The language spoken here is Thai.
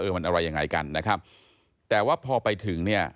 มันอะไรยังไงกันนะครับแต่ว่าพอไปถึงเนี่ย